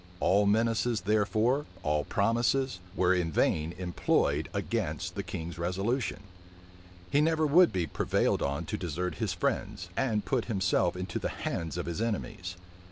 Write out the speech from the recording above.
All menaces therefore, all promises, were in vain employed against the king's resolution: he never would be prevailed on to desert his friends, and put himself into the hands of his enemies.